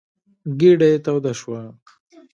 ګېډه یې توده شوه.